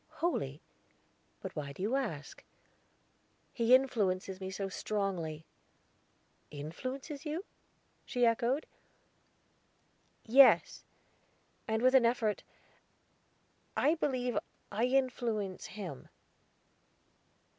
"Wholly; but why do you ask?" "He influences me so strongly." "Influences you?" she echoed. "Yes"; and, with an effort, "I believe I influence him."